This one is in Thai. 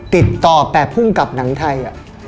ติดต่อแต่ภูมิกับหนังไทย